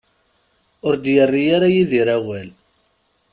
Ur d-yerri ara Yidir awal.